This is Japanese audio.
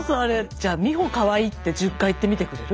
じゃ美穂かわいいって１０回言ってみてくれる？